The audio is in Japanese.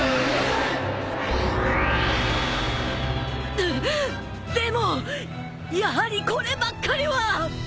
ぬっでもやはりこればっかりは！